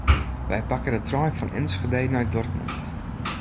Wy pakke de trein fan Enschede nei Dortmund.